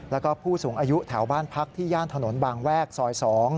แล้วก็ผู้สูงอายุแถวบ้านพักที่ย่านถนนบางแวกซอย๒